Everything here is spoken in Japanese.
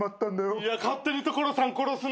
いや勝手に所さん殺すな。